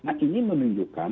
nah ini menunjukkan